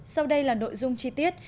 sau đây là nội dung chi tiết